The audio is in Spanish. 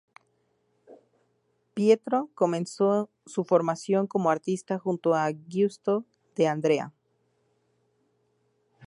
Pietro comenzó su formación como artista junto a Giusto de Andrea.